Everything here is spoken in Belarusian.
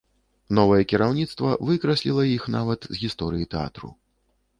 Новае кіраўніцтва выкрасліла іх нават з гісторыі тэатру.